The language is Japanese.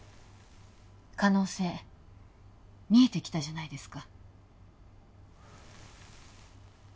可能性見えてきたじゃないですか